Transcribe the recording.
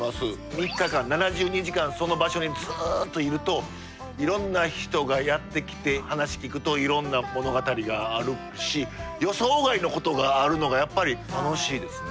３日間７２時間その場所にずっといるといろんな人がやって来て話聞くといろんな物語があるし予想外のことがあるのがやっぱり楽しいですね